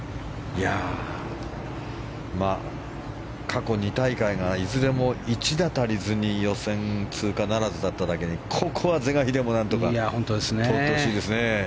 過去２大会がいずれも１打足りずに予選通過ならずだっただけにここは是が非でも何とか通ってほしいですね。